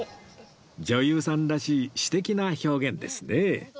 女優さんらしい詩的な表現ですね